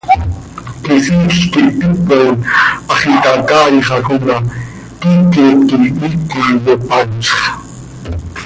Quisiil quih tipon, hax itacaaixaj oo ma, quiiquet quih íiqui yopanzx.